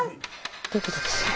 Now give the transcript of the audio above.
ドキドキする。